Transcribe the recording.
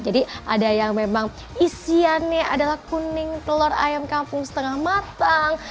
jadi ada yang memang isiannya adalah kuning telur ayam kampung setengah matang